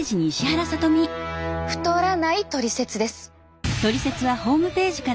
太らないトリセツです。